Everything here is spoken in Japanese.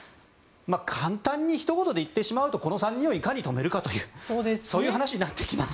簡単にひと言で言ってしまうとこの３人をいかに止めるかというそういう話になってきます。